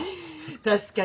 確かに。